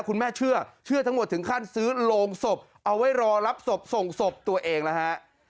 คุณแม่เชื่อทั้งหมดถึงขั้นซื้อโรงศพเอาไว้รอรับศพส่งศพตัวเองแล้วฮะ